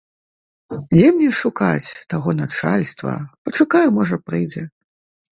Дзе мне шукаць таго начальства, пачакаю, можа, прыйдзе.